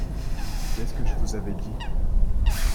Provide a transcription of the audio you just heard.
Qu’est-ce que je vous avais dit !